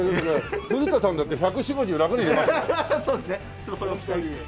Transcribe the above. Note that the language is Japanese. ちょっとそれを期待して。